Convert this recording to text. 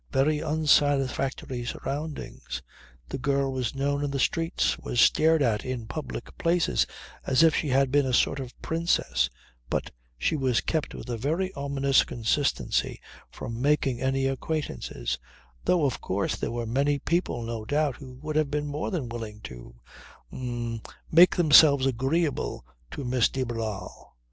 Very unsatisfactory surroundings. The girl was known in the streets, was stared at in public places as if she had been a sort of princess, but she was kept with a very ominous consistency, from making any acquaintances though of course there were many people no doubt who would have been more than willing to h'm make themselves agreeable to Miss de Barral.